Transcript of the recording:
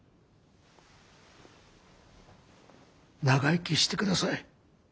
長生きしてください。